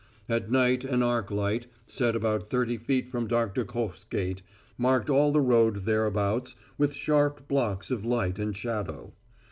At night an arc light, set about thirty feet from Doctor Koch's gate, marked all the road thereabouts with sharp blocks of light and shadow.